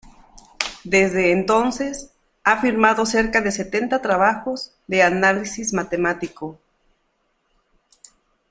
Desde entonces ha firmado cerca de setenta trabajos de análisis matemático.